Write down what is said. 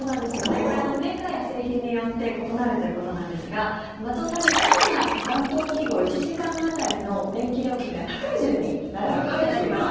これ、メーカーや製品によって異なるということなんですが松尾さんに、主な暖房器具を１時間当たりの電気料金が高い順に並べていただきました。